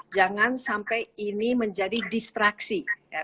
jangan sampai ini menjadi distraksi